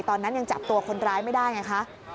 ตอนนั้นยังจับตัวคนร้ายไม่ได้ไงคะ